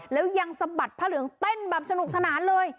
แล้วยังสะบัดผ้าเหลืองเต้นแบบสนุกสนานเลย